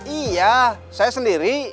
iya saya sendiri